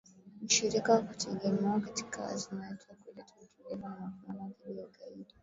mshirika wa kutegemewa katika azma yetu ya kuleta utulivu na mapambano dhidi ya ugaidi